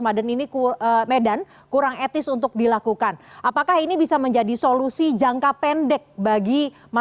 medan ini medan kurang etis untuk dilakukan apakah ini bisa menjadi solusi jangka pendek bagi